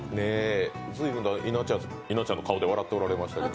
ずいぶんと稲ちゃんの顔で笑っておられましたけど？